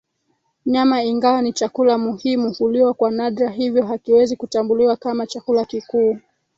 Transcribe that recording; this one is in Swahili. Nyama ingawa ni chakula muhimu huliwa kwa nadra hivyo hakiwezi kutambuliwa kama chakula kikuu